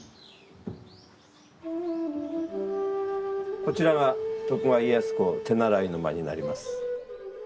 こちらが徳川家康公手習いの間になります。